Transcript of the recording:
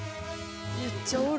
めっちゃおる。